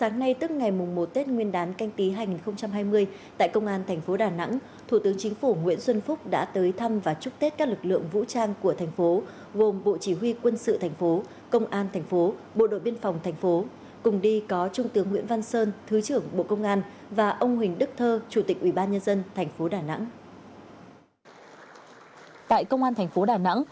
ngày tức ngày mùng một tết nguyên đán canh tí hai nghìn hai mươi tại công an thành phố đà nẵng thủ tướng chính phủ nguyễn xuân phúc đã tới thăm và chúc tết các lực lượng vũ trang của thành phố gồm bộ chỉ huy quân sự thành phố công an thành phố bộ đội biên phòng thành phố cùng đi có trung tướng nguyễn văn sơn thứ trưởng bộ công an và ông huỳnh đức thơ chủ tịch ủy ban nhân dân thành phố đà nẵng